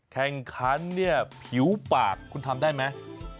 แข่งขันเนี่ยผิวปากคุณทำได้ไหม